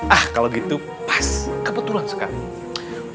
ah kalau gitu pas kebetulan sekali